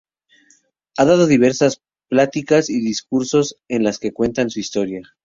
Ha dado diversas pláticas y discursos en los que cuenta su historia.